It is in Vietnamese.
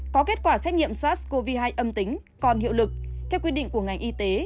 có kết quả xét nghiệm sars cov hai âm tính còn hiệu lực theo quy định của ngành y tế